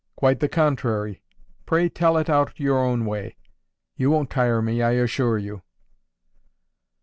"Quite the contrary. Pray tell it out your own way. You won't tire me, I assure you."